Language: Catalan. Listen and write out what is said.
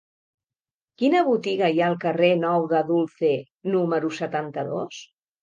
Quina botiga hi ha al carrer Nou de Dulce número setanta-dos?